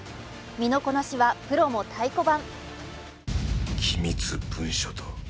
身のこなしはプロも太鼓判。